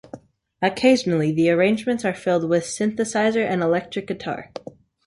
Occasionally, the arrangements are filled with synthesizer and electric guitar.